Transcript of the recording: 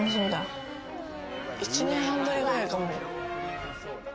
１年半ぶりくらいかも。